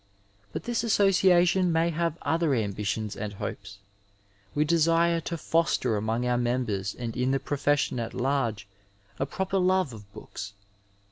But this Association may have other ambitions and hopes. We desire to foster among our members and in the profession at large a proper love of books.